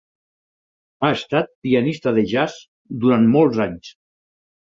Ha estat pianista de jazz durant molts anys.